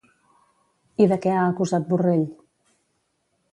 I de què ha acusat Borrell?